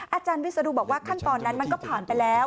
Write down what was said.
อาจารย์วิศนุบอกว่าขั้นตอนนั้นมันก็ผ่านไปแล้ว